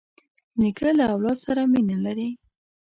نیکه له اولاد سره مینه لري.